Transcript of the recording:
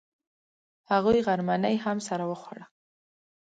هغوی غرمنۍ هم سره وخوړه.